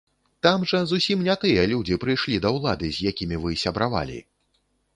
Там жа зусім не тыя людзі прыйшлі да ўлады, з якімі вы сябравалі!